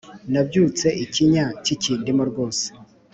Nabyutse ikinya kikindimo rwose